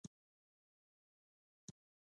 کله چې یوه ماده په بله ماده کې حل شي محلول جوړوي.